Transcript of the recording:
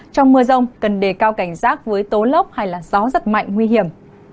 trong mưa rông cần đề cao cảnh rác với tố lốc hay là gió rất mạnh nguy hiểm